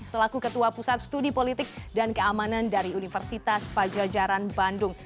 selaku ketua pusat studi politik dan keamanan dari universitas pajajaran bandung